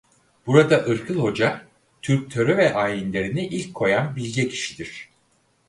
Burada Irkıl Hoca Türk töre ve ayinlerini ilk koyan bilge kişidir.